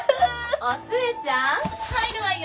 ・お寿恵ちゃん入るわよ！